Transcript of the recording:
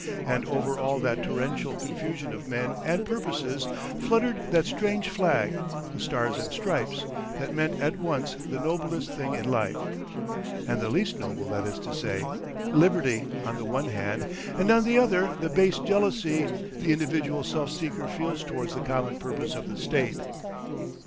And over all that torrential confusion of men and purposes fluttered that strange flag, the stars and stripes, that meant at once the noblest thing in life, and the least noble, that is to say, Liberty on the one hand, and on the other the base jealousy the individual self seeker feels towards the common purpose of the State.